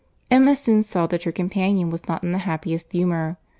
Emma soon saw that her companion was not in the happiest humour.